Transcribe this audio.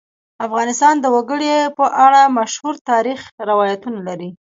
افغانستان د وګړي په اړه مشهور تاریخی روایتونه لري.